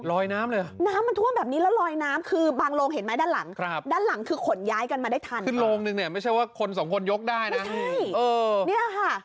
ลอยน้ำเลยเหรอน้ำมันท่วมแบบนี้แล้วลอยน้ำคือบางโรงเห็นไหมด้านหลังครับด้านหลังคือขนย้ายกันมาได้ทันคือโรงนึงเนี่ยไม่ใช่ว่าคนสองคนยกได้นะใช่เออเนี่ยค่ะ